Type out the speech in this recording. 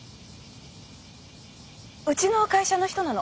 うちの会社の人なの。